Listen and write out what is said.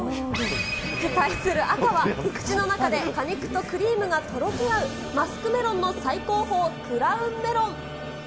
対する赤は口の中で果肉とクリームがとろけ合う、マスクメロンの最高峰、クラウンメロン。